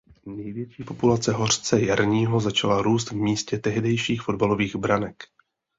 Největší populace hořce jarního začala růst v místě tehdejších fotbalových branek.